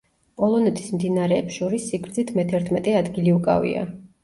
პოლონეთის მდინარეებს შორის სიგრძით მეთერთმეტე ადგილი უკავია.